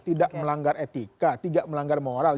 tidak melanggar etika tidak melanggar moral